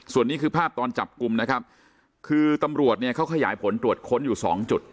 ส่วนนี้คือภาพตอนจับกลุ่มนะครับคือตำรวจเนี่ยเขาขยายผลตรวจค้นอยู่สองจุด